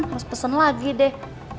harus pesen lagi deh